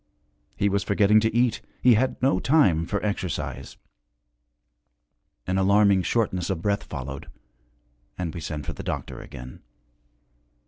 He was forgetting to eat, he had no time for exercise. An alarming shortness of breath followed, and we sent for the doctor again.